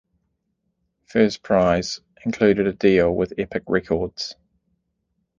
First prize included a deal with Epic Records.